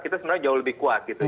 kita sebenarnya jauh lebih kuat gitu